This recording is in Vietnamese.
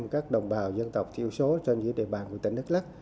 các đồng bào dân tộc tiểu số trên địa bàn của tỉnh đức lắc